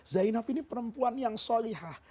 zainab ini perempuan yang solihah